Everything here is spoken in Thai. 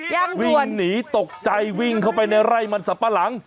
วิ่งหนีตกใจวิ่งเข้าไปในไร่มันสับปะหลัง